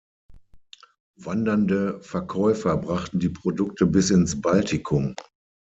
Wandernde Verkäufer brachten die Produkte bis ins Baltikum.